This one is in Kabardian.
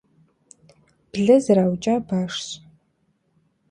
Блэ зэраукӀа башщ.